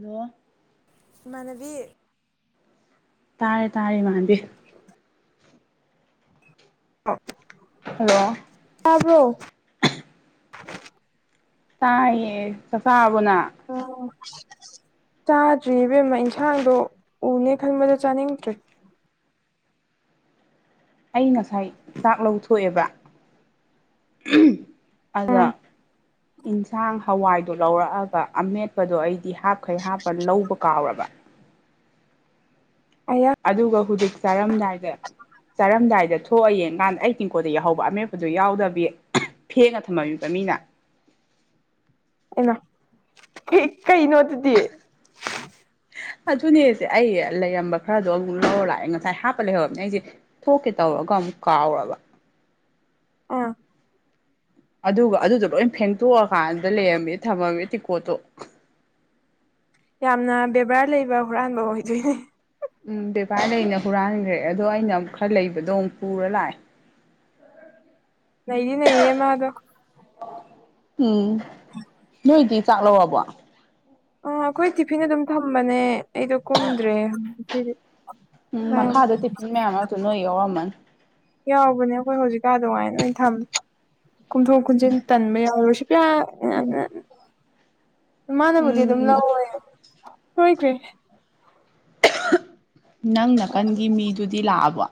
hello ꯃꯥꯅꯕꯤ ꯇꯥꯔꯦ ꯇꯥꯔꯦ ꯃꯥꯥꯟꯕꯤ ꯑ ꯍꯜꯂꯣ ꯭ꯔꯣ ꯇꯥꯏꯌꯦ ꯀꯁ ꯍꯥꯕꯅꯥ [unintelligible] ꯆꯥꯗ꯭ꯔꯤ ꯏꯕꯦꯝꯃ ꯏꯟꯁꯥꯡꯗꯣ ꯎꯅꯦ ꯈꯟꯕꯗ ꯆꯥꯅꯤꯡꯗ꯭ꯔꯦ ꯑꯩ ꯉꯁꯥꯏ ꯆꯥꯛ ꯂꯧꯊꯣꯛꯑꯦꯕ ꯑꯗ ꯎꯝ ꯌꯦꯟꯁꯥꯡ ꯍꯋꯥꯏꯗꯨꯣ ꯂꯧꯔꯛꯑꯒ ꯑꯃꯦꯠꯄꯗꯣ ꯑꯩꯗꯤ ꯍꯥꯞꯈꯩ ꯍꯥꯞꯄ ꯂꯧꯕ ꯀꯥꯎꯔꯕ [unintelligible] ꯑꯌꯥ ꯑꯗꯨꯒ ꯍꯧꯖꯤꯛ ꯆꯥꯔꯝꯗꯥꯏꯗ ꯆꯥꯔꯝꯗꯥꯏꯗ ꯊꯣꯛꯑ ꯌꯦꯡꯀꯥꯟꯗ ꯑꯩ ꯇꯤꯡꯀꯣꯗ ꯌꯎꯍꯧꯕ ꯑꯃꯦꯠꯄꯗꯨꯣ ꯌꯥꯎꯗꯕꯤ ꯐꯦꯡꯅ ꯊꯝꯃꯃꯤꯕ ꯃꯤꯅ ꯑꯦꯅ ꯀꯩ ꯅꯣꯠꯇꯗꯤꯦ ꯑꯗꯨꯅꯦꯁꯦ ꯑꯩ ꯂꯩꯔꯝꯕ ꯈꯔꯗꯣ ꯑꯃꯨꯛ ꯂꯧꯔ ꯂꯥꯛꯑꯦ ꯉꯁꯥꯏ ꯍꯥꯞꯄ ꯂꯩꯍꯔꯕꯅꯦ ꯑꯩꯁꯦ ꯊꯣꯛꯀꯦ ꯇꯧ ꯑꯗꯨꯒ ꯑꯃꯨꯛ ꯀꯥꯎꯕ ꯑꯥ ꯑꯗꯨꯒ ꯑꯗꯨꯗꯣ ꯂꯣꯏ ꯐꯦꯡꯇꯣꯛꯑꯀꯥꯟꯗ ꯂꯩꯔꯝꯃꯦ ꯊꯝꯃꯝꯃꯦ ꯇꯤꯀꯣꯠꯇꯣ [unintelligible] ꯌꯥꯝꯅ ꯕꯦꯕꯥꯔ ꯂꯩꯕ ꯍꯨꯔꯥꯟꯕ ꯑꯣꯏꯗꯣꯏꯅꯦ ꯎꯝ ꯕꯦꯕꯥꯔꯗ ꯑꯩꯅ ꯍꯨꯔꯥꯟꯈ꯭ꯔꯦ ꯑꯗꯣ ꯑꯩꯅ ꯑꯃꯨꯛ ꯈꯔ ꯂꯩꯕꯗꯣ ꯑꯃꯨꯛ ꯄꯨꯔ ꯂꯥꯛꯑꯦ ꯅꯩꯗꯤ ꯅꯩꯌꯦ ꯃꯥꯗꯣ ꯑ ꯎꯝ ꯅꯣꯏꯗꯤ ꯆꯥꯛꯂꯣꯕꯣ ꯑ ꯑꯩꯈꯣꯏ ꯇꯤꯐꯤꯟ ꯑꯗꯨꯝ ꯊꯝꯕꯅꯦ ꯑꯩꯗꯣ ꯀꯨꯝꯗ꯭ꯔꯦꯗꯤ ꯎꯝ ꯃꯈꯥꯗ ꯇꯤꯐꯤꯟ ꯃꯌꯥꯝ ꯉꯛꯇ ꯅꯣꯏ ꯌꯥꯎꯔꯝꯃꯅꯤ ꯌꯥꯎꯕꯅꯦ ꯑꯩꯈꯣꯏ ꯍꯧꯖꯤꯛꯀꯥ ꯑꯗꯨꯃꯥꯏꯅ ꯂ ꯊꯝꯃꯦ ꯀꯨꯝꯊꯣꯛ ꯀꯨꯝꯖꯤꯟ ꯇꯟꯕ ꯌꯥꯎꯔ ꯁꯤ ꯀ ꯎꯝ [unintelligible] [inaudible] ꯃꯥꯅꯕꯨꯗꯤ ꯑꯗꯨꯝ ꯎꯝ ꯂꯧꯑꯣ ꯂꯣꯏꯈ꯭꯭ꯔꯔꯤ ꯅꯪ ꯅꯥꯀꯟꯒꯤ ꯃꯤꯗꯨꯗꯤ ꯂꯥꯛꯑꯕꯣ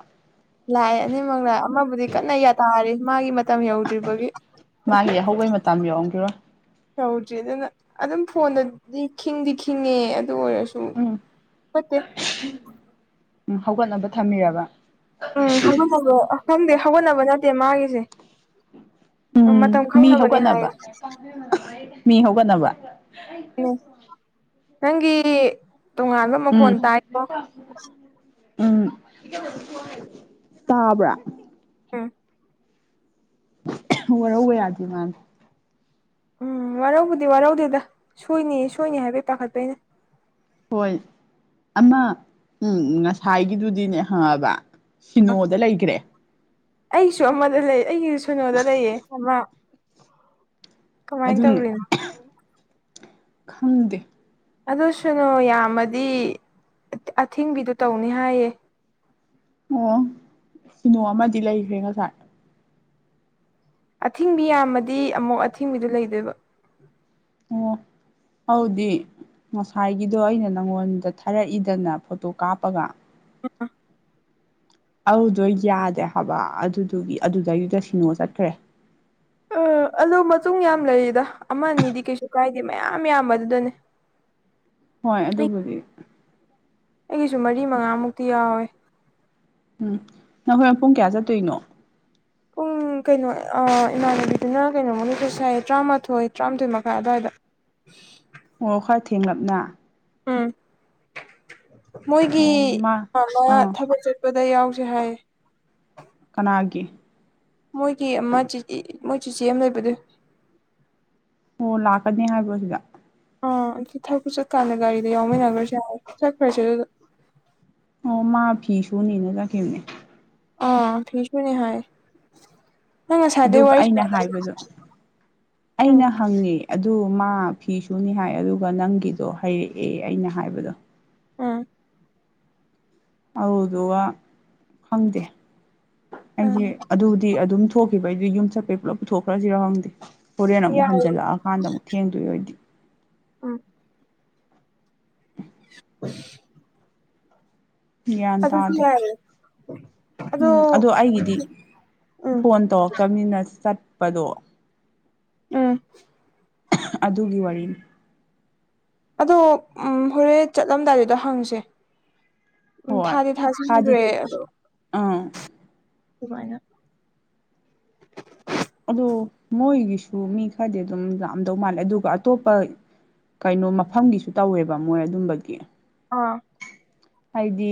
ꯂꯥꯛꯑ ꯑꯅꯤꯃꯛꯅ ꯑꯃꯕꯨꯗꯤ ꯀꯟꯅ ꯌꯥꯇꯥꯔꯤ ꯃꯥꯒꯤ ꯃꯇꯝ ꯌꯧꯗ꯭ꯔꯤꯕꯒꯤ ꯃꯥꯒꯤ ꯑꯍꯧꯕꯩ ꯃꯇ ꯌꯎꯔꯝꯒꯤꯔꯣ ꯌꯧꯗ꯭ꯔꯤ ꯑꯗꯨꯅ ꯑꯗꯨꯝ ꯐꯣꯟꯗꯗꯤ ꯈꯤꯡꯗꯤ ꯈꯤꯡꯉꯦ ꯑꯣꯏꯁꯨꯨꯝ ꯎꯝ ꯐꯠꯇꯦ ꯎꯝ ꯍꯧꯒꯠꯅꯕ ꯊꯝꯕꯤꯔꯕ ꯎꯝꯪꯪꯗꯦ ꯍꯧꯒꯠꯅꯕ ꯅꯠꯇꯦ ꯃꯥꯒꯤꯁꯦ ꯎꯝ ꯃꯇꯝ ꯃꯤ ꯈꯪꯅꯕꯅꯦ ꯍꯥꯏꯌꯦ ꯍꯧꯒꯠꯅꯕ ꯃꯤ ꯍꯧꯒꯠꯅꯕ ꯑꯛꯇ ꯅꯪꯒꯤ ꯇꯣꯉꯥꯟꯕ ꯃꯈꯣꯟ ꯎꯝ ꯇꯥꯏꯣ ꯎꯝ ꯇꯥꯕ꯭ꯔꯥ ꯑ [unintelligible] [inaudible] ꯑꯣꯔꯕ ꯌꯥꯗ ꯃꯥ ꯎꯝ ꯋꯥꯔꯧꯕꯧꯕꯗꯤ ꯋꯥꯔꯧꯗꯤꯗ ꯁꯣꯏꯅꯤ ꯁꯣꯏꯅꯤ ꯍꯥꯏꯕꯩ ꯄꯥꯈꯠꯄꯩꯅꯦ ꯍꯣꯏ ꯑꯃ ꯎꯝ ꯉꯁꯥꯏꯒꯤꯗꯨꯗꯤꯅꯦ ꯍꯪꯉꯕ ꯁꯤꯅꯣꯗ ꯂꯩꯈ꯭ꯔꯦ ꯑꯩꯁꯨ ꯑꯃꯗ ꯂꯩ ꯑꯩꯒꯤꯁꯨ ꯁꯨꯅꯣꯗ ꯂꯩꯌꯦ ꯑꯃ ꯀꯃꯥꯏꯅ ꯇꯧꯔꯤꯅꯣ ꯈꯝꯗꯦ ꯑꯗꯨ ꯁꯅꯨ ꯌꯥꯝꯃꯗꯤ ꯑꯊꯤꯡꯕꯤꯗ ꯇꯧꯅꯤ ꯍꯥꯏꯌꯦ ꯑꯣ ꯁꯤꯅꯣ ꯑꯃꯗꯤ ꯂꯩꯈ꯭ꯔꯦ ꯉꯁꯥꯏ ꯑꯊꯤꯡꯕꯤ ꯌꯥꯝꯃꯗꯤ ꯑꯃꯨꯛ ꯑꯊꯤꯡꯕꯤꯗ ꯂꯩꯗꯣꯏꯕ ꯑꯣ ꯍꯧꯗꯤ ꯉꯁꯥꯏꯒꯤꯗꯣ ꯑꯩꯅ ꯅꯪꯉꯣꯟꯗ ꯊꯥꯔꯛꯏꯗꯅ ꯐꯣꯇꯣ ꯀꯥꯞꯄꯒ ꯑꯗꯨꯗꯣ ꯌꯥꯗꯦ ꯍꯥꯏꯕ ꯑꯗꯨꯗꯨꯒꯤ ꯑꯗꯨꯗꯩꯗꯨꯗ ꯁꯤꯅꯣ ꯆꯠꯈ꯭ꯔꯦ ꯑ ꯑꯂꯣ ꯃꯇꯨꯡ ꯌꯥꯝ ꯂꯩꯔꯤꯗ ꯑꯃꯅꯤ ꯑꯗꯤ ꯀꯩꯁꯨ ꯀꯥꯏꯗꯦ ꯃꯌꯥꯝ ꯌꯥꯝꯕ ꯑꯗꯨꯗꯅꯦ ꯍꯣꯏ ꯑꯗꯨꯒꯕꯨꯗꯤ ꯑꯩꯒꯤꯁꯨ ꯃꯔꯤ ꯃꯉꯥꯃꯨꯛꯇꯤ ꯌꯥꯎꯔꯦ ꯎꯝ ꯅꯈꯣꯏ ꯄ ꯄꯨꯡ ꯀꯌꯥ ꯆꯠꯇꯣꯏꯅꯣ ꯄꯨꯡ ꯀꯩꯅꯣ ꯏꯃꯥꯟꯅꯕꯤꯗꯨꯅ ꯀꯩꯅꯣꯃꯅꯤ ꯄꯩꯁꯥꯏ ꯇꯔꯥꯃꯥꯊꯣꯏ ꯇꯔꯥꯃꯥꯊꯣꯏ ꯃꯈꯥꯏ ꯑꯗꯨꯋꯥꯏꯗ ꯑꯣ ꯈ꯭ꯔ ꯊꯦꯡꯂꯞꯅ ꯎꯝ ꯃꯣꯏꯒꯤ ꯑꯣ ꯏ ꯃꯥ ꯑꯃ ꯑꯥ ꯊꯕꯛ ꯆꯠꯄ ꯁꯤꯗ ꯌꯥꯎꯁꯦ ꯍꯥꯏꯌꯦ ꯀꯅꯥꯒꯤ ꯃꯣꯏꯒꯤ ꯃꯣꯏ ꯆꯤꯆꯦ ꯑꯃ ꯂꯩꯕꯗꯨ ꯑꯣ ꯂꯥꯛꯀꯅꯤ ꯍꯥꯏꯕ ꯁꯤꯗ ꯑꯥ ꯑꯗꯨ ꯊꯛꯄꯨ ꯆꯠꯀꯥꯟꯗ ꯒꯥꯔꯤꯗ ꯌꯥꯎꯃꯤꯟꯅꯈ꯭ꯔꯁꯦ ꯆꯠꯈ꯭ꯔꯁꯦ ꯑꯗꯨꯗ ꯑꯣ ꯃꯥ ꯐꯤ ꯁꯨꯅꯤꯅ ꯆꯥꯈꯤꯕꯈꯤꯕꯅꯦ ꯑ ꯤꯁꯃꯅꯤ ꯍꯥꯏ ꯅꯪ ꯉꯁꯥꯏꯗꯩ ꯑꯗꯨꯒ ꯋꯥꯔꯤ ꯑꯩꯅ ꯁꯥꯟꯅꯗꯕ ꯍꯥꯏꯕꯗꯣ ꯎꯝ ꯑꯩꯅ ꯍꯪꯉꯦ ꯑꯗꯨ ꯃꯥ ꯐꯤꯁꯨꯅꯤ ꯍꯥꯏ ꯑꯗꯨꯒ ꯅꯪꯒꯤꯗꯣ ꯍꯥꯏꯩꯔꯛꯑꯦ ꯑꯩꯅ ꯍꯥꯏꯕꯗꯣ ꯎꯝ ꯑꯗꯨꯗꯨꯒ ꯈꯪꯗꯦ ꯎꯝ ꯑꯩꯁꯦ ꯑꯗꯨꯕꯨꯗꯤ ꯑꯗꯨꯝ ꯊꯣꯛꯈꯤꯕ ꯑꯩꯗꯤ ꯌꯨꯝ ꯆꯠꯄꯩ ꯄꯨꯂꯞ ꯄꯨꯊꯣꯛꯈ꯭ꯔꯁꯤꯔꯎ ꯍꯪꯗꯦ ꯍꯣꯔꯦꯟ ꯑꯃꯨꯛ ꯌꯥꯏꯌꯦ ꯍꯟꯖꯜꯂꯛꯑꯀꯥꯟꯗ ꯑꯃꯨꯛ ꯊꯦꯡꯗꯣꯏꯔ ꯑꯣꯏꯣꯏꯗꯤ ꯎ [unintelligible] [inaudible] ꯎ ꯒ꯭ꯟ ꯇꯥꯗꯦ ꯎꯝ ꯑꯗꯣ ꯑꯩꯒꯤꯗꯤ ꯎꯝ ꯐꯣꯟ ꯇꯧꯔꯛꯇꯕꯅꯤꯅ ꯆꯠꯄꯗꯣ ꯎꯝ ꯑꯗꯨꯒꯤ ꯋꯥꯔꯤꯅꯤ ꯑꯗꯣ ꯎ ꯍꯣꯔꯦꯟ ꯆꯠꯂꯝꯗꯥꯏꯗꯨꯗꯣ ꯍꯪꯁꯦ ꯎꯝ ꯍꯣꯏ ꯊꯥꯗꯤꯦ ꯊꯥꯗꯤ ꯊꯥꯖꯟꯈ꯭ꯔꯦ ꯑꯥ ꯑꯗꯨꯃꯥꯏꯅ ꯑꯣ ꯃꯣꯏꯒꯤꯁꯨ ꯃꯤ ꯈꯔꯗꯤ ꯑꯗꯨꯝ ꯂꯥꯛꯝꯗꯧ ꯃꯥꯜꯂꯦ ꯑꯗꯨꯒ ꯑꯇꯣꯞꯄ ꯀꯩꯅꯣ ꯃꯐꯝꯒꯤꯁꯨ ꯇꯧꯋꯦꯕ ꯃꯣꯏ ꯑꯗꯨꯝꯕꯒꯤ ꯑꯥ ꯍꯥꯏꯗꯤ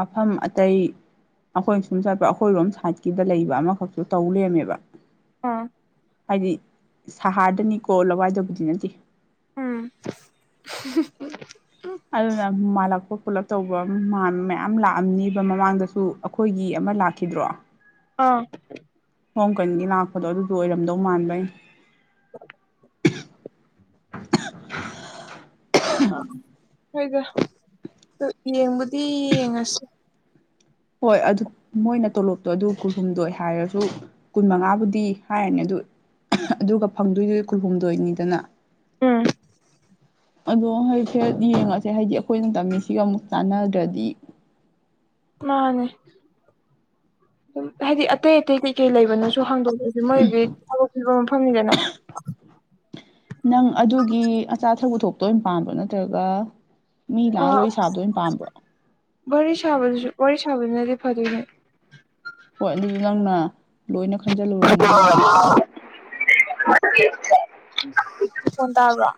ꯃꯐꯝ ꯑꯇꯩ ꯑꯩꯈꯣꯏ ꯁꯨꯝ ꯆꯠꯄ ꯑꯩꯈꯣꯏꯔꯣꯝ ꯁꯥꯏꯠꯀꯤꯗ ꯂꯩꯕ ꯑꯃꯈꯛꯁꯨ ꯇꯧꯔꯦꯝꯃꯦꯕ ꯑꯥ ꯍꯥꯏꯗꯤ ꯁꯍꯔꯗꯅꯤ ꯀꯣꯂꯋꯥꯏꯗꯧꯕꯗꯤ ꯅꯠꯇꯦ ꯎꯝ ꯑꯗꯨ ꯅ ꯃꯥꯂꯛꯄ ꯄꯨꯂꯞ ꯇꯧꯕ ꯃꯌꯥꯝ ꯂꯥꯛꯑꯝꯅꯤꯕ ꯃꯃꯥꯡꯗꯁꯨ ꯑꯩꯈꯣꯏꯒꯤ ꯑꯃ ꯂꯥꯛꯈꯤꯗ꯭ꯔꯣ ꯑꯥ ꯣꯡꯝ ꯀꯟꯒꯤ ꯂꯥꯛꯄꯗꯣ ꯑꯗꯨꯗꯣ ꯑꯣꯏꯔꯝꯗꯧ ꯃꯥꯟꯕꯩ [unintelligible] ꯑ ꯑꯩꯣꯏꯗ ꯑ ꯌꯦꯡꯕꯨꯗꯤ ꯌꯦꯡꯉꯁꯤ ꯍꯣꯏ ꯑꯗꯨ ꯃꯣꯏꯅ ꯇꯣꯂꯣꯞꯇꯣ ꯑꯗꯨ ꯀꯨꯟꯍꯨꯝꯗꯣꯏ ꯍꯥꯏꯔꯁꯨ ꯀꯨꯟ ꯃꯉꯥꯕꯨꯗꯤ ꯍꯥꯏꯔꯅꯤ ꯑꯗꯨ ꯑꯗꯨꯒ ꯐꯪꯗꯣꯏꯗꯨꯗꯤ ꯀꯨꯜꯍꯨꯝꯗꯣꯏꯅꯤꯗꯅ ꯎꯝ ꯑꯗꯣ ꯍꯧꯁꯦ ꯌꯦꯡꯉꯁꯦ ꯍꯥꯏꯗꯤ ꯑꯩꯈꯣꯏꯅ ꯇꯝꯃꯤꯁꯤꯒ ꯑꯃꯨꯛ ꯆꯥꯟꯅꯗ꯭ꯔꯗꯤ ꯃꯥꯅꯦ ꯍꯥꯏꯗꯤ ꯑꯇꯩ ꯑꯇꯩ ꯀꯩ ꯂꯩꯕꯅꯣꯁꯨ ꯍꯥꯡꯗꯣꯛꯂꯁꯦ ꯃꯣꯏꯗꯤ ꯊꯕꯛ ꯄꯤꯕ ꯃꯐꯝꯅꯤꯗꯅ ꯇ ꯑꯣꯏꯅ ꯄꯥꯝꯕ꯭ꯔꯣ ꯅꯠꯇ꯭ꯔꯒ ꯃꯤ ꯂꯥꯛ ꯋꯥꯔꯤ ꯁꯥꯕꯗ ꯑꯣꯏꯅ ꯄꯥꯝꯕ꯭ꯔꯣ ꯔꯤ ꯁꯕ ꯋꯥꯔꯤꯔꯤ ꯁꯥꯕꯗꯨꯅꯗꯤ ꯐꯗꯨꯅꯦ ꯍꯣꯏ ꯑꯗꯨꯗꯣ ꯅꯪꯅ ꯂꯣꯏꯅ ꯍ ꯈꯟꯖꯜꯂꯨꯔꯕꯅꯤꯅ ꯁ ꯇꯕ꯭ꯔꯣ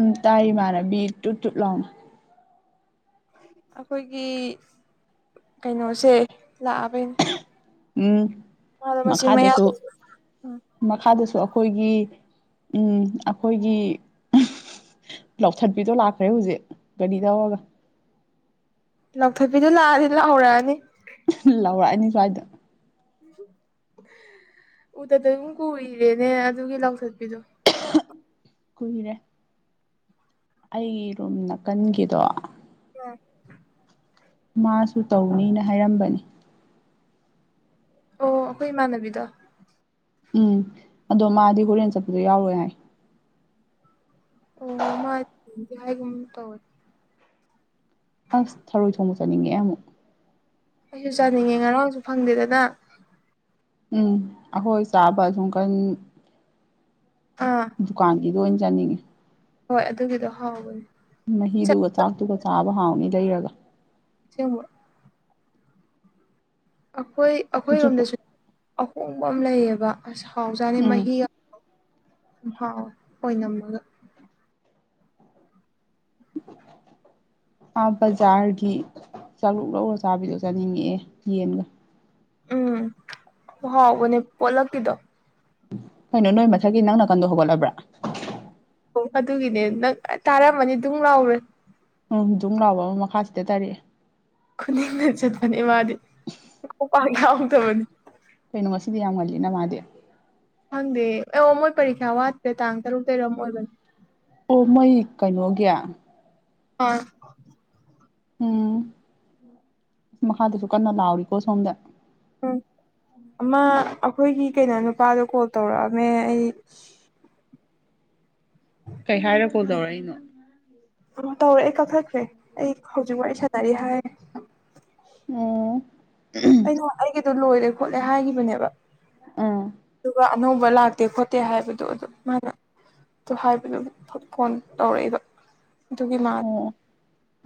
ꯎꯝ ꯇꯥꯏ ꯃꯥꯅꯦ ꯇꯨ ꯇꯨꯠ ꯂꯥꯎꯑꯣꯅ ꯑꯩꯈꯣꯏꯒꯤ ꯀꯩꯅꯣꯁꯦ ꯂꯥꯛꯑꯕꯩꯅꯦ ꯎꯝ ꯃꯥꯗꯣ ꯃꯆꯤꯟ ꯃꯌꯥ ꯃꯈꯥꯗꯁꯨ ꯎꯝ ꯃꯈꯥꯗꯁꯨ ꯑꯩꯈꯣꯏꯒꯤ ꯑꯩꯈꯣꯏꯒꯤ ꯂꯧꯊꯠꯄꯤꯗꯣ ꯂꯥꯛꯈ꯭ꯔꯦ ꯍꯧꯖꯤꯛ ꯒꯥꯔꯤ ꯇꯧꯔꯒ ꯂꯥꯎꯊꯣꯛꯄꯤꯗꯣ ꯂꯥꯛꯑꯗꯤ ꯂꯥꯛꯍꯧꯔꯛꯑꯅꯤ ꯂꯧꯥꯎꯔꯛꯑꯅꯤ ꯁ꯭ꯋꯥꯏꯗ ꯎꯇꯗ ꯑꯗꯨꯝ ꯀꯨꯏꯔꯦꯅꯦ ꯑꯗꯨꯒꯤ ꯂꯧꯥꯎꯊꯠꯄꯤꯗꯣ ꯀꯏꯅꯦ ꯑꯩ ꯔꯨꯝ ꯅꯥꯀꯟꯒꯤꯗꯣ [unintelligible] ꯃꯥꯁꯨ ꯇꯧꯅꯤꯅ ꯍꯥꯏꯔꯝꯕꯅꯤ ꯑꯣ ꯑꯩꯈꯣꯏ ꯏꯃꯥꯟꯅꯕꯤꯗ ꯎꯝ ꯑꯗꯣ ꯃꯥꯗꯤ ꯍꯣꯔꯦꯟ ꯆꯠꯄꯗ ꯌꯥꯎꯔꯣꯏ ꯍꯥꯏ ꯑꯣ ꯃꯥꯗꯤ ꯍꯥꯏ ꯨ ꯇ ꯑꯁ ꯊꯔꯣꯏ ꯊꯣꯡꯕ ꯆꯠꯅꯤꯡꯉꯦ ꯑꯃꯨꯛ ꯑꯩꯁꯨ ꯆꯥꯅꯤꯡꯉꯦ ꯉꯔꯥꯡꯁꯨ ꯐꯪꯗꯦꯗꯅ ꯎꯝ ꯑꯩꯈꯣꯏ ꯆꯥꯕ ꯁꯨꯝ ꯀꯟ ꯑꯥ ꯗꯨꯀꯥꯟꯒꯤꯗ ꯑꯣꯏꯅ ꯌꯥꯅꯤꯡꯉꯤ ꯍꯣꯏ ꯑꯗꯨꯒꯤꯗꯣ ꯍꯥꯎꯕꯅꯤ ꯃꯍꯤꯗꯨꯒ ꯆꯥꯛꯇꯨꯒ ꯆꯥꯕ ꯍꯥꯎꯅꯤ ꯂꯩꯔꯒ ꯃꯣꯏ ꯑꯩꯈꯣꯏ ꯍꯧꯖꯤꯛꯄꯨ ꯑꯩꯈꯣꯏꯔꯣꯝꯗꯁꯨ ꯑꯍꯣꯡꯕ ꯑꯃ ꯂꯩꯌꯦꯕ ꯑꯁ ꯄꯥꯎꯖꯥꯅꯤ ꯎꯝ ꯃꯍꯤꯨꯝ ꯍꯥꯎ ꯑꯣꯏꯅꯝꯃꯒ [unintelligible] ꯑꯥ ꯕꯖꯥꯔꯒꯤ ꯆꯥꯔꯨꯛ ꯂꯧꯔ ꯆꯥꯕꯤꯗꯣ ꯆꯥꯅꯤꯡꯉꯛꯑꯦ ꯌꯦꯟꯒ ꯎꯝ ꯍꯥꯎꯕꯅꯦ ꯑꯣꯂꯒ ꯀꯗꯣ ꯀꯣꯏꯩꯅꯣ ꯅꯣꯏ ꯃꯊꯛꯀꯤ ꯅꯪ ꯅꯥꯀꯟꯗꯣ ꯍꯧꯒꯠꯂꯕ꯭ꯔꯥ ꯑꯣ ꯑꯗꯨꯒꯤꯅꯦ ꯅꯪ ꯇꯥꯔꯝꯃꯅꯤ ꯑꯗꯨꯝ ꯂꯥꯎꯔꯦ ꯎꯝ ꯨꯝ ꯂꯥꯎꯕ ꯑꯃ ꯃꯈꯥꯁꯤꯗ ꯇꯥꯔꯛꯑꯦ ꯈꯨꯅꯤꯡꯗ ꯆꯠꯄꯅꯦ ꯃꯥꯗꯤꯄꯥ ꯌꯥꯎꯗꯕꯅꯦ ꯀꯩꯅꯣ ꯉꯗꯤ ꯌꯥꯝ ꯉꯜꯂꯤꯅ ꯃꯥꯗꯤ ꯈꯪꯗꯦ ꯑꯦ ꯑꯣ ꯃꯣꯏ ꯄꯔꯤꯈ꯭ꯥ ꯋꯥꯠꯇ꯭ꯔꯦ ꯇꯥꯡ ꯇꯔꯨꯛ ꯇꯔꯠ ꯑꯃ ꯑꯣꯏꯕꯅꯦ ꯑꯣ ꯃꯩ ꯀꯩꯅꯣꯒꯤ ꯑ ꯎꯝ ꯑ ꯃꯈꯥꯗꯁꯨ ꯀꯟꯅ ꯂꯥꯎꯔꯤꯀꯣ ꯁꯣꯝꯗ ꯎꯝ ꯑꯃꯃ ꯑꯩꯈꯣꯏꯒꯤ ꯀꯩꯅꯣ ꯅꯨꯄꯥꯗꯣ ꯀꯣꯜ ꯇꯧꯔꯛꯑꯝꯃꯦ ꯑꯩ ꯀꯩ ꯍꯥꯏꯔ ꯀꯣꯜ ꯇꯧꯔꯛꯏꯅꯣ ꯇꯧꯔꯦ ꯑꯩ ꯀꯛꯈꯠꯈ꯭ꯔꯦ ꯑꯩ ꯍꯧꯖꯤꯛ ꯋꯥꯔꯤ ꯁꯥꯟꯅꯔꯤ ꯍꯥꯏꯦ ꯎꯝ ꯑꯩꯅ ꯑꯩꯒꯤꯗꯣ ꯂꯣꯏꯔꯦ ꯈꯣꯠꯂꯦ ꯍꯥꯏꯈꯤꯕꯅꯦꯕ ꯑꯥ ꯑꯗꯨꯒ ꯑꯅꯧꯕ ꯂꯥꯛꯇꯦ ꯈꯣꯠꯇꯦ ꯍꯥꯏꯕꯗꯣ ꯑꯗꯨ ꯃꯥꯅ ꯑꯗꯨ ꯍꯥꯏꯕꯗꯨ ꯐꯣꯟ ꯇꯧꯔꯛꯏꯕ ꯑꯗꯨꯒꯤ ꯃꯥ ꯑꯣ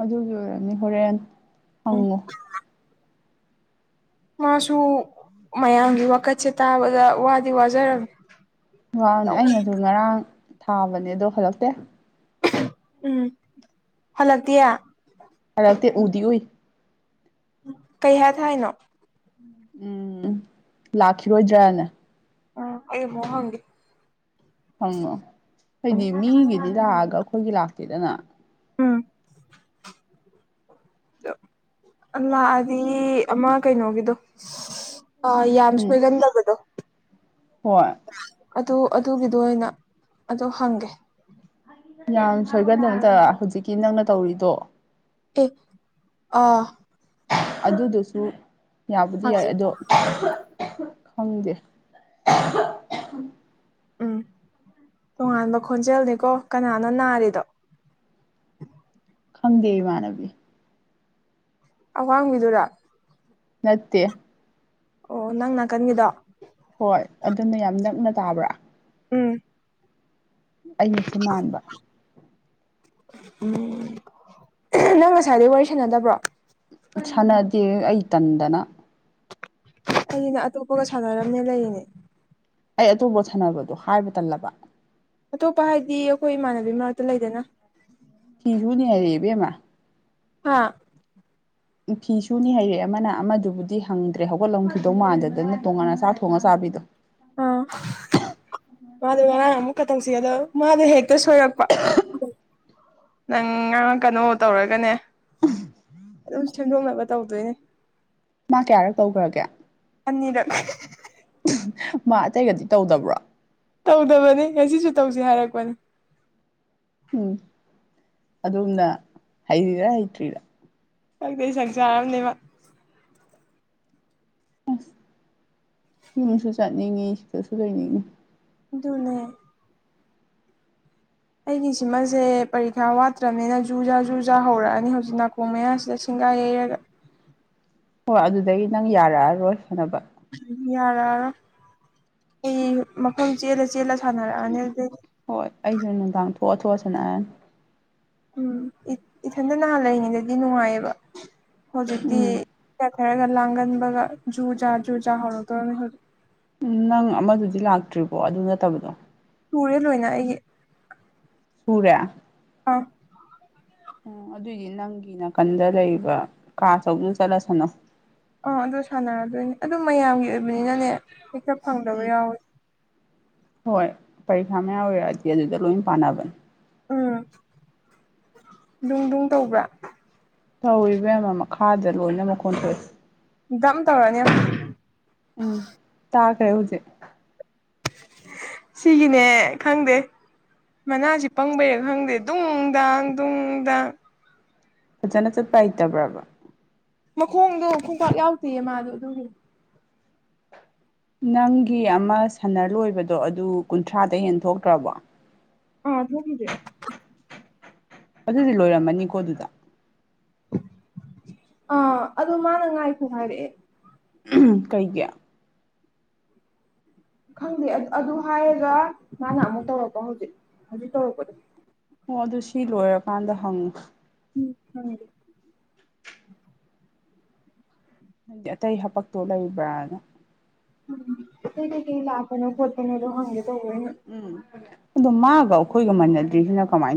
ꯑꯗꯨꯒꯤ ꯑꯣꯏꯔꯝꯅꯤ ꯍꯣꯔꯦꯟ ꯍꯪꯉꯨ ꯃꯥꯁꯨ ꯃꯌꯥꯝꯒꯤ ꯋꯥꯀꯠꯁꯦ ꯇꯥꯕꯗ ꯋꯥꯗꯤ ꯋꯥꯖꯔꯝ ꯋꯥꯅꯦ ꯑꯩꯅꯁꯨ ꯉꯔꯥꯡ ꯊꯥꯕꯅꯦ ꯑꯗꯣ ꯍꯜꯂꯛꯇꯦ ꯎꯝ ꯍꯂꯗꯤꯌꯥ ꯇꯩ ꯎꯗꯤ ꯑꯣꯏ ꯀꯩ ꯍꯥꯏ ꯊ ꯍꯥꯏꯅꯣ ꯎꯝ ꯂꯥꯛꯈꯤꯔꯣꯏꯗ꯭ꯔꯥꯅꯦ ꯎ ꯑꯦꯃꯣ ꯍꯪꯗꯤ ꯍꯪꯅꯣ ꯍꯥꯏꯗꯤ ꯃꯤꯒꯤꯗꯤ ꯂꯥꯛꯑꯒ ꯑꯩꯈꯣꯏꯒꯤ ꯂꯥꯛꯇꯦꯗꯅ ꯎꯝ ꯑꯥꯑꯗꯤ ꯑꯃ ꯀꯩꯅꯣꯒꯤꯗꯣ ꯌꯥꯝ ꯎꯝ ꯁꯣꯏꯒꯟꯗꯕꯗꯣ ꯍꯣꯏ ꯑꯗꯨ ꯑꯗꯨꯒꯤꯗꯣ ꯑꯣꯏꯅ ꯑꯗꯨ ꯍꯪꯒꯦ ꯌꯥꯝ ꯁꯣꯏꯒꯗꯣꯗ ꯍꯧꯖꯤꯛꯀꯤ ꯅꯪꯅ ꯇꯧꯔꯤꯗꯣ ꯑꯦ ꯑ ꯑꯗꯨꯗꯨꯁꯨ ꯌꯥꯕꯨꯗꯤ ꯍꯪ ꯌꯥꯏ ꯑꯗꯣ ꯈꯪꯗꯦ ꯎꯝ ꯇꯣꯉꯥꯟꯕ ꯈꯣꯟꯖꯦꯜꯅꯤꯀꯣ ꯀꯅꯥꯅ ꯅꯥꯔꯤꯗꯣ ꯈꯪꯗꯦ ꯏ ꯃꯥꯅꯕꯤ ꯑꯋꯥꯡꯕꯤꯗꯨꯔꯥ ꯅꯠꯇꯦ ꯑꯣ ꯅꯪ ꯅꯥꯀꯟꯒꯤꯗꯣ ꯍꯣꯏ ꯑꯗꯨꯅ ꯌꯥꯝ ꯅꯛꯅ ꯇꯥꯕ꯭ꯔꯥ ꯎꯝ ꯑꯩꯅꯁꯨ ꯃꯥꯟꯕ ꯎꯝ ꯅꯪ ꯉꯁꯥꯏꯗꯒꯤꯩ ꯋꯥꯔꯤ ꯁꯥꯟꯅꯗꯕ꯭ꯔꯣ ꯁꯥꯟꯅꯗꯦ ꯑꯩ ꯇꯟꯗꯅ ꯑꯩꯅ ꯑꯇꯣꯞꯄꯒ ꯁꯥꯟꯅꯔꯝꯅꯦ ꯂꯩꯔꯤꯅꯦ ꯑꯩ ꯑꯇꯣꯞꯄ ꯁꯥꯟꯅꯕꯗꯣ ꯍꯥꯏꯕ ꯇꯜꯂꯕ ꯑꯇꯣꯞꯄ ꯍꯥꯏꯗꯤ ꯑꯩꯈꯣꯏ ꯏꯃꯥꯟꯅꯕꯤ ꯃꯔꯛꯇ ꯂꯩꯗꯅ ꯁꯤꯤꯁꯨꯅꯤ ꯍꯥꯏꯔꯤꯕꯃ ꯑꯥ ꯐꯤ ꯁꯨꯅꯤ ꯍꯩꯔꯦ ꯑꯃꯅ ꯑꯃꯗꯨꯕꯨꯗꯤ ꯍꯪꯗ꯭ꯔꯦ ꯍꯧꯒꯠꯂꯝꯈꯤꯗꯧ ꯃꯥꯟꯗꯗꯅ ꯇꯣꯡꯉꯥꯟꯅ ꯆꯥꯛ ꯊꯣꯡꯉꯒ ꯆꯥꯕꯤꯗꯣ ꯑꯥ ꯃꯥꯗꯣ ꯉꯔꯥꯡ ꯑꯃꯨꯛꯀ ꯇꯧꯁꯤ ꯑꯗꯣ ꯃꯥꯗꯣ ꯍꯦꯛꯇ ꯁꯣꯏꯔꯛꯄ ꯅꯪ ꯉꯔ ꯀꯩꯅꯣ ꯇꯧꯔꯒꯅꯦ ꯑꯗꯨꯝ ꯁꯦꯝꯦꯡꯗꯣꯛꯅꯕ ꯇꯧꯗꯣꯏꯅꯦ ꯃꯥ ꯀꯌꯥꯔꯛ ꯇꯧꯈ꯭ꯔꯒꯦ ꯑꯅꯤꯔ ꯃꯥ ꯑꯇꯩꯒꯗꯤ ꯇꯧꯗꯕ꯭ꯔꯣ ꯇꯧꯗꯕꯅꯤ ꯉꯁꯤꯁꯨ ꯇꯧꯁꯤ ꯍꯥꯏꯔꯛꯄꯅꯤ ꯎꯝ ꯑꯝꯅ ꯍꯩꯔꯤꯔꯥ ꯍꯩꯇ꯭ꯔꯤꯔꯥ ꯁꯪꯛꯇꯦ ꯁꯛ ꯆꯔꯔꯕꯅꯦꯕ ꯑꯁ ꯌꯨꯝꯁꯨ ꯆꯠꯅꯤꯡꯉꯤ ꯁꯤꯗꯁꯨ ꯂꯩꯅꯤꯡꯉꯤ ꯅꯦ ꯑꯩꯒꯤ ꯁꯤꯃꯁꯦ ꯄꯔꯤꯈꯥ ꯋꯥꯠꯇ꯭ꯔꯕꯅꯤꯅ ꯖꯨ ꯖꯥ ꯖꯨ ꯖꯥ ꯍꯧꯔꯛꯑꯅꯤ ꯍꯧꯖꯤꯛ ꯅꯥꯀꯣꯡ ꯃꯌꯥꯁꯤꯗ ꯁꯤꯡ ꯉ ꯌꯔꯅ ꯍꯣꯏ ꯑꯗꯨꯗꯒꯤ ꯅꯪ ꯌꯥꯔꯛꯑꯔꯣꯏ ꯁꯅꯕ ꯌꯥꯔꯔ ꯑꯩ ꯃꯈꯜ ꯆꯦꯜꯂ ꯆꯦꯜꯂ ꯎꯝ ꯁꯥꯟꯅꯔꯛꯑꯅꯤ ꯑꯗꯨꯗꯩꯗꯤ ꯍꯣꯏ ꯑꯩꯁꯨ ꯅꯨꯡꯗꯥꯡ ꯊꯣꯛꯑꯊꯑꯁꯤꯅꯅꯤ ꯎꯝ ꯏꯊꯟꯇ ꯅꯍꯥꯟ ꯂꯩꯔꯤꯉꯩꯗꯗꯤ ꯅꯨꯡꯉꯥꯏꯌꯦꯕ ꯍꯧꯖꯤꯛꯇꯤ ꯎꯝ ꯍꯥꯏꯔꯒ ꯂꯥꯡꯒꯟꯕꯒ ꯖꯨ ꯖꯥ ꯖꯨ ꯖꯥ ꯍꯧꯔꯛꯇꯣꯏꯔꯅꯤ ꯍꯛ ꯎ ꯅꯪ ꯑꯃꯗꯨꯗꯤ ꯂꯥꯛꯇ꯭ꯔꯤꯕꯣ ꯑꯗꯨ ꯅꯠꯇꯕꯗꯣ ꯇꯨꯔꯦ ꯂꯣꯏꯅ ꯑꯩꯒꯤ ꯁꯨꯔꯦ ꯑ ꯎ ꯑꯗꯨꯏꯗꯤ ꯅꯪꯒꯤ ꯅꯥꯀꯟꯗ ꯂꯩꯕ ꯀꯥ ꯆꯧꯅ ꯆꯠꯂꯁꯅꯨ ꯑꯥ ꯑꯗꯨ ꯁꯥꯟꯅꯔꯗꯣꯏꯅꯦ ꯑꯗꯨ ꯃꯌꯥꯝꯒꯤ ꯑꯣꯏꯕꯅꯤꯅꯅꯦ ꯍꯦꯛꯇ ꯐꯪꯗꯕ ꯎꯝ ꯌꯥꯎꯋꯤ ꯍꯣꯏ ꯄꯔꯤꯈꯥ ꯃꯌꯥꯝ ꯑꯣꯏꯔꯛꯑꯗꯤ ꯑꯗꯨꯗ ꯂꯣꯏ ꯄꯥꯟꯅꯕꯅꯦ ꯎꯝ ꯅꯨꯡ ꯅꯨꯡ ꯇꯧꯕ꯭ꯔꯥ ꯇꯧꯕ ꯑꯃ ꯃꯈꯥꯗ ꯂꯣꯏꯅ ꯃꯈꯣꯟ ꯊꯣꯛꯏ ꯗꯝ ꯇꯧꯔꯅꯤ ꯀꯖꯤꯦ ꯁꯤꯒꯤꯅꯦ ꯈꯪꯗꯦ ꯃꯅꯥꯁꯤ ꯄꯪꯕꯩꯔ ꯈꯪꯗꯦ ꯅꯨꯡ ꯗꯡ ꯅꯨꯡ ꯗꯡ ꯐꯖꯅ ꯆꯠꯄꯥꯏꯇꯕ꯭ꯔꯕ ꯃꯈꯣꯡꯗꯣ ꯈꯣꯡꯄꯥꯛ ꯌꯥꯎꯗꯦꯌꯦ ꯃꯥꯗꯣ ꯑꯗꯨꯒꯤ ꯅꯪꯒꯤ ꯑꯃ ꯁꯥꯟꯅꯔ ꯂꯣꯏꯕꯗꯣ ꯑꯗꯨ ꯀꯨꯟꯊ꯭ꯔꯥꯗ ꯍꯦꯟ ꯊꯣꯛꯣꯛꯇ꯭ꯔꯕꯣ ꯑꯥ ꯊꯣꯡꯗꯦ ꯑꯗꯨꯗꯤ ꯂꯣꯏꯔꯝꯃꯅꯤꯀꯣ ꯑꯗꯨꯗ ꯑ ꯑꯗꯨꯗ ꯃꯥꯅꯉꯥꯏꯀꯨ ꯃꯥꯦ ꯀꯩ ꯀ ꯈꯪꯗꯦ ꯑꯗꯨ ꯍꯥꯏꯔꯒ ꯃꯥꯅ ꯑꯃꯨꯛ ꯇꯧꯔꯛꯄ ꯍꯧꯖꯤꯛ ꯍꯧꯖꯤꯛ ꯇꯧꯔꯛꯄꯗ ꯑꯣ ꯑꯗꯨ ꯁꯤ ꯂꯣꯏꯔꯀꯥꯟꯗ ꯍꯪꯉꯨ ꯎꯝ ꯐꯝ ꯅꯪꯗꯤ ꯑꯇꯩ ꯍꯥꯄꯛꯇꯨ ꯂꯩꯕ꯭ꯔꯥꯅ ꯎꯝ ꯁꯤ ꯏꯂꯈꯅ ꯐꯠꯇꯅꯦꯔꯣ ꯍꯪꯦ ꯎꯝ ꯑꯗꯣ ꯃꯥꯒ ꯑꯩꯈꯣꯏꯒ ꯃꯅꯗ꯭ꯔꯤꯁꯤꯅ ꯀꯃꯥꯏꯅ ꯇ